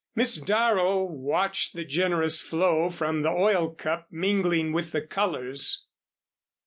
Miss Darrow watched the generous flow from the oil cup mingling with the colors.